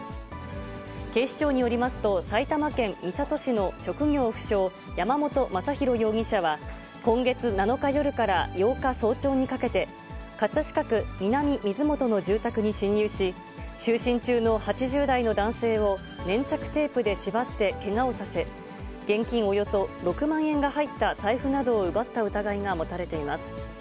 警視庁によりますと、埼玉県三郷市の職業不詳、山本正博容疑者は、今月７日夜から８日早朝にかけて、葛飾区南水元の住宅に侵入し、就寝中の８０代の男性を粘着テープで縛ってけがをさせ、現金およそ６万円が入った財布などを奪った疑いが持たれています。